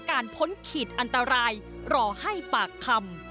พ้นขีดอันตรายรอให้ปากคำ